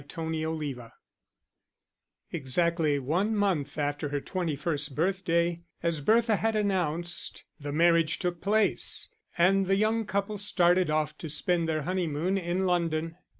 Chapter VII Exactly one month after her twenty first birthday, as Bertha had announced, the marriage took place; and the young couple started off to spend their honeymoon in London.